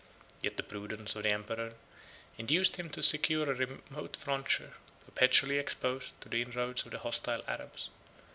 Yet the prudence of the emperor induced him to secure a remote frontier, perpetually exposed to the inroads of the hostile Arabs.